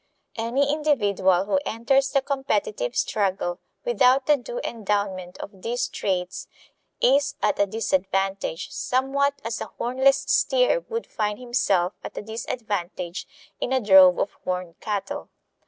Any individual who enters the competitive struggle without the due endowment of these traits is at a disadvantage, somewhat as a hornless steer would find himself at a disadvantage in a drove of horned cattle.